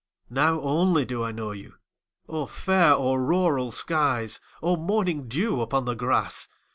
Now only do I know you, O fair auroral skies O morning dew upon the grass!